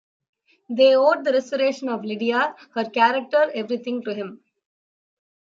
They owed the restoration of Lydia, her character, everything, to him.